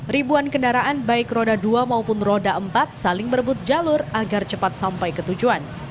ribuan kendaraan baik roda dua maupun roda empat saling berebut jalur agar cepat sampai ke tujuan